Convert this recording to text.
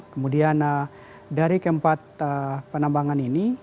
kemudian dari keempat penambangan ini